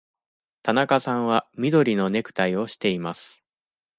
田中さんは緑のネクタイをしています。